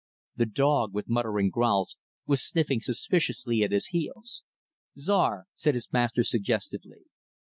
The dog, with muttering growls, was sniffing suspiciously at his heels. "Czar," said his master, suggestively.